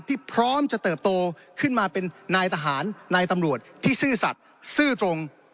พร้อมจะเติบโตขึ้นมาเป็นนายทหารนายตำรวจที่ซื่อสัตว์ซื่อตรง